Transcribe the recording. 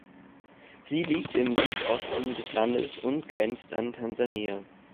Sie liegt im Südosten des Landes und grenzt an Tansania.